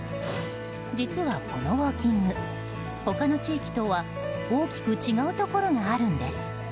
実は、このウォーキング他の地域とは大きく違うところがあるんです。